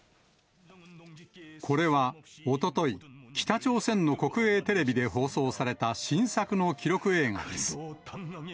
これは、おととい、北朝鮮の国営テレビで放送された新作の記録映画です。